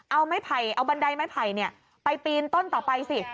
เอาบันไดไม่ไผ่ไปปีนต้นต่อไปสิ